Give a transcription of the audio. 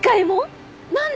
何で？